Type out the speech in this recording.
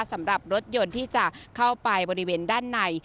สำหรับรถยนต์ที่จะเข้าไปบริเวณด้านใน